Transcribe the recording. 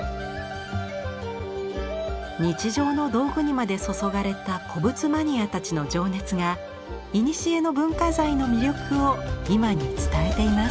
日常の道具にまで注がれた古物マニアたちの情熱がいにしえの文化財の魅力を今に伝えています。